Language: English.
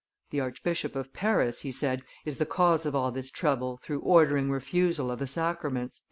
"The Archbishop of Paris," he said, "is the cause of all this trouble through ordering refusal of the sacraments."